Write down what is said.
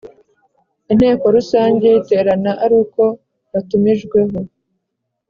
Inteko Rusange iterana aruko yatumijweho